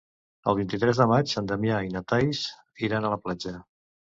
El vint-i-tres de maig en Damià i na Thaís iran a la platja.